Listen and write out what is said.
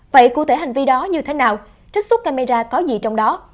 vậy cụ thể hành vi đó như thế nào trích xuất camera có gì trong đó